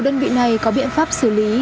đơn vị này có biện pháp xử lý